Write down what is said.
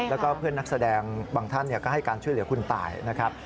แล้วก็เพื่อนนักแสดงบางท่านก็ให้การช่วยเหลือคุณตายนะครับ